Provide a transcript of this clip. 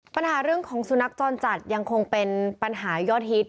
ปัญหาเรื่องของสุนัขจรจัดยังคงเป็นปัญหายอดฮิต